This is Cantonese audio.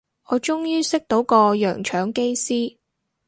我終於識到個洋腸機師